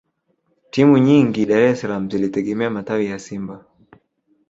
timu nyingi dar es salaam zilitegemea matawi ya simba